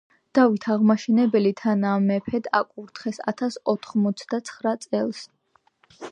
დავით აღმაშენებელი თანამეფედ აკურთხეს ათას ოთხმოცდაცხრა წელს.